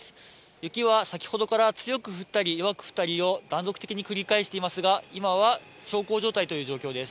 雪は、先ほどから強く降ったり弱く降ったりを断続的に繰り返していますが、今は小康状態という状況です。